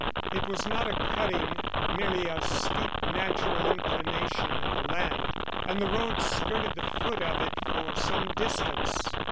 It was not a cutting; merely a steep natural inclination of the land, and the road skirted the foot of it for some distance.